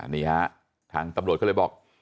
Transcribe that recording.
นี่ฮะทางตำรวจก็เลยบอก